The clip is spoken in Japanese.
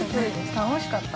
◆楽しかった。